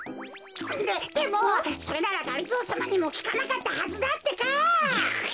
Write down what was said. ででもそれならがりぞーさまにもきかなかったはずだってか！